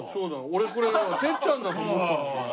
俺これてっちゃんだと思ったのこれ。